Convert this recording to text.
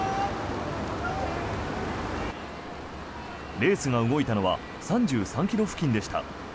レースが動いたのは３３ｋｍ付近でした。